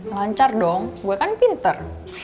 lancar dong gue kan pinter